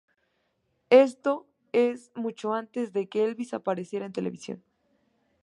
Esto es mucho antes de que Elvis apareciera en televisión.